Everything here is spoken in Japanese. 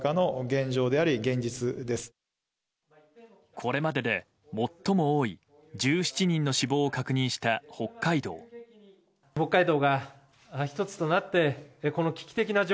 これまでで最も多い１７人の死亡を確認した北海道。